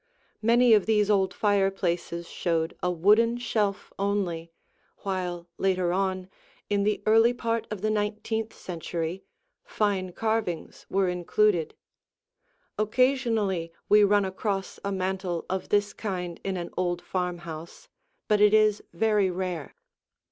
Many of these old fireplaces showed a wooden shelf only, while later on, in the early part of the nineteenth century, fine carvings were included. Occasionally we run across a mantel of this kind in an old farmhouse, but it is very rare.